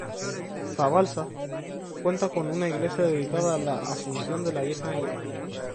Zabalza cuenta con una iglesia dedicada a la Asunción de la Virgen María.